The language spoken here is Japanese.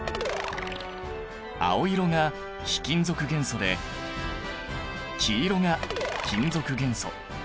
青色が非金属元素で黄色が金属元素。